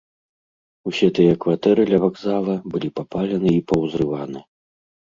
Усе тыя кватэры ля вакзала былі папалены і паўзрываны.